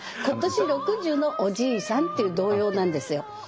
「今年六十のおじいさん」っていう童謡なんですよ。